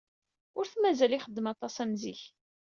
Ur t-mazal ixeddem aṭas am zik.